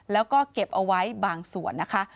แล้วก็เก็บเอาไว้บางส่วนนะคะ